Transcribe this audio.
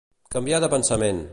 Canviar de pensament.